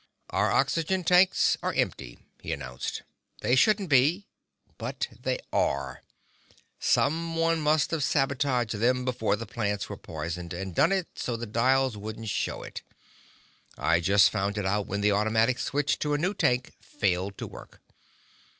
"Our oxygen tanks are empty," he announced. "They shouldn't be but they are. Someone must have sabotaged them before the plants were poisoned and done it so the dials don't show it. I just found it out when the automatic switch to a new tank failed to work.